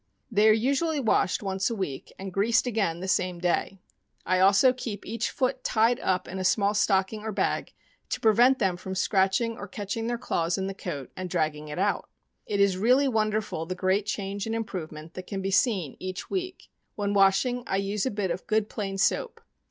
They are usually washed once a week, and greased again the same day. I also keep each foot tied up in a small stocking or bag, to prevent them scratch ing or catching their claws in the coat and dragging it out. It is really won derful the great change and improvement that can be seen each week. When washing, I use a bit of good plain soap.